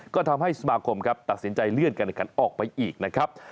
ก็ทำให้สมาคมครับตัดสินใจเลื่อนการแข่งขันออกไปอีกนะครับ